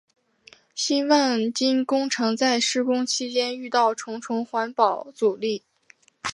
新万金工程在施工期间遇到重重环保阻力。